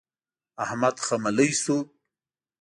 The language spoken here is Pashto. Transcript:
احمد خملۍ شو.